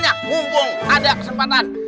ngumpung ada kesempatan